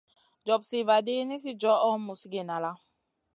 Jopsiy vaɗi, nisi johʼo musgi nala.